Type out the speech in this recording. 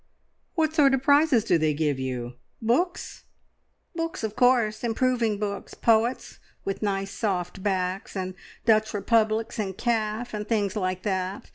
"What sort of prizes do they give you books?" "Books, of course. Improving books. Poets, with nice soft backs, and Dutch Republics in calf, and things like that.